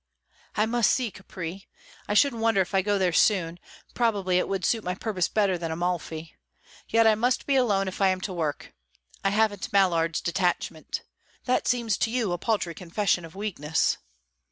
"I must see Capri. I shouldn't wonder if I go there soon; probably it would suit my purpose better than Amalfi. Yet I must be alone, if I am to work. I haven't Mallard's detachment. That seems to you a paltry confession of weakness."